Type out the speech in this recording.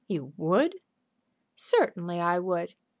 "You would?" "Certainly I would.